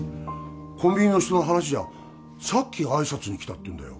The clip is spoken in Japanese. コンビニの人の話じゃ「さっきあいさつに来た」って言うんだよ